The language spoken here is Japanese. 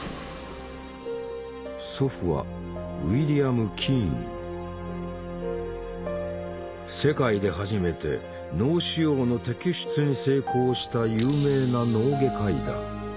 祖父は世界で初めて脳腫瘍の摘出に成功した有名な脳外科医だ。